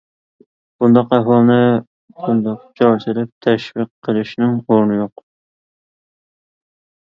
بۇنداق ئەھۋالنى بۇنداق جار سېلىپ تەشۋىق قىلىشنىڭ ئورنى يوق.